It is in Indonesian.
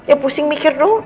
ya pusing mikir dong